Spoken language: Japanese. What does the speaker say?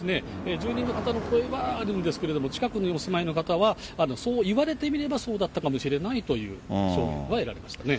住民の方の声はあるんですけれども、近くにお住まいの方は、そういわれてみればそうだったかもしれないという、証言が得られましたね。